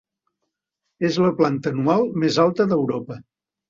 És la planta anual més alta d'Europa.